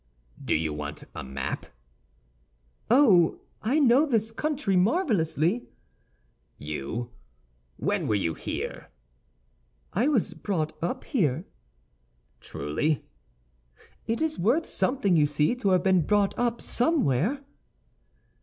"Do you want a map?" "Oh, I know this country marvelously!" "You? When were you here?" "I was brought up here." "Truly?" "It is worth something, you see, to have been brought up somewhere."